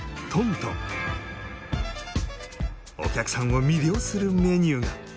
お客さんを魅了するメニューが。